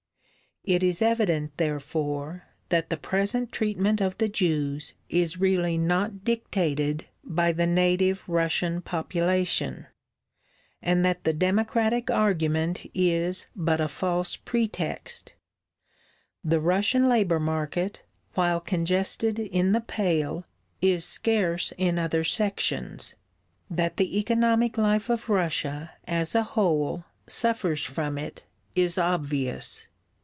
It is evident, therefore, that the present treatment of the Jews is really not dictated by the native Russian population, and that the democratic argument is but a false pretext. The Russian labour market, while congested in the Pale, is scarce in other sections. That the economic life of Russia, as a whole, suffers from it is obvious.